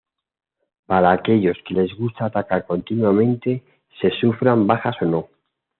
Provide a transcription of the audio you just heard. Para aquellos que les gusta atacar continuamente se sufran bajas o no.